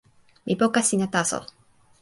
mi poka sina taso.